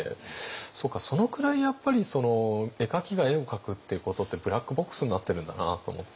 そうかそのくらいやっぱり絵描きが絵を描くっていうことってブラックボックスになってるんだなと思って。